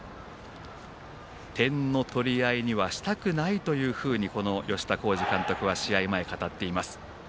点の取り合いにはしたくないというふうにこの吉田洸二監督は試合前、語っています。